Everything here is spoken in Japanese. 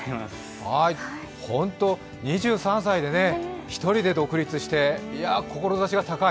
ホント、２３歳で１人で独立して、いや、志が高い。